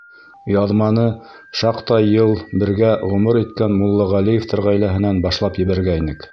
Яҙманы шаҡтай йыл бергә ғүмер иткән Муллағәлиевтәр ғаиләһенән башлап ебәргәйнек.